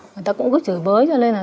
người ta cũng cứ chửi bới cho nên là